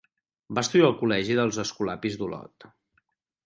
Va estudiar al col·legi dels escolapis d'Olot.